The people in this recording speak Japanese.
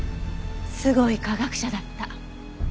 すごい科学者だった。